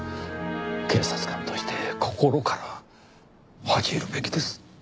警察官として心から恥じ入るべきです。